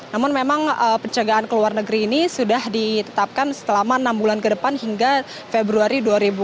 namun memang pencegahan ke luar negeri ini sudah ditetapkan selama enam bulan ke depan hingga februari dua ribu dua puluh